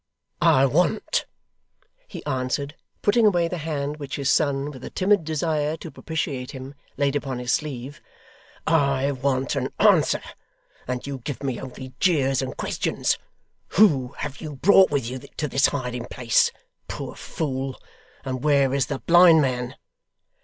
'I want,' he answered, putting away the hand which his son, with a timid desire to propitiate him, laid upon his sleeve, 'I want an answer, and you give me only jeers and questions. Who have you brought with you to this hiding place, poor fool; and where is the blind man?